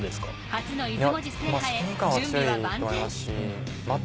初の出雲路制覇へ準備は万全。